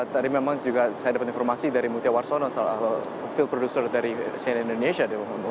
tadi memang saya dapat informasi dari mutia warsono field producer dari siena indonesia